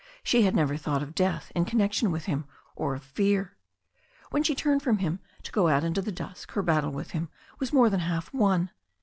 She had never thought of death in connection with him, or of fear. When she turned from him to go out into the dusk her battle with him was more than half won.